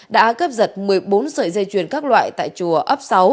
đã cướp giật một mươi bốn sợi dây chuyền các loại tại chùa ấp sáu